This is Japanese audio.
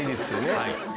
はい。